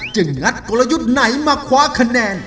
งัดกลยุทธ์ไหนมาคว้าคะแนน